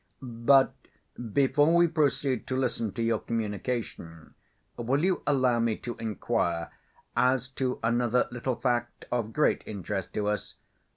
But before we proceed to listen to your communication, will you allow me to inquire as to another little fact of great interest to us?